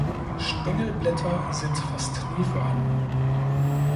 Stängelblätter sind fast nie vorhanden.